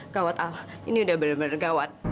gawat al ini udah bener bener gawat